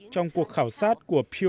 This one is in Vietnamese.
trong cuộc khảo sát của pew